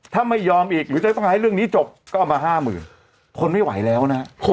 ถ้าไม่ยอมอีกหรือจะต้องให้เรื่องนี้จบก็เอามา๕๐๐๐ทนไม่ไหวแล้วนะฮะ